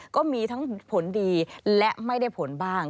ก็มีทั้งผลดีและไม่ได้ผลบ้าง